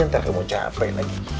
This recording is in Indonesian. nanti aku mau capain lagi